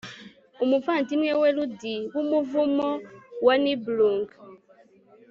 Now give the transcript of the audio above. Umuvandimwe wa ruddy wumuvumo wa Niblung